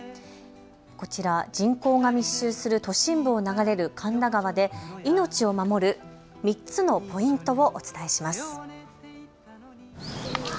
こちら、人口が密集する都心部を流れる神田川で命を守る３つのポイントをお伝えします。